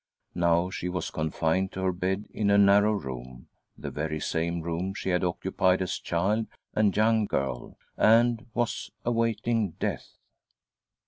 Now she was confined to her bed. in a narrow room rthe very same room she had occupied as child and young girl— and was awaiting death.